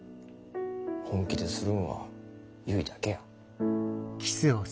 本気でするんは結だけや。